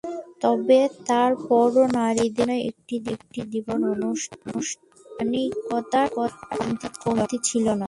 তবে তার পরও নারীদের জন্য একটি দিবস পালনে আনুষ্ঠানিকতার কমতি ছিল না।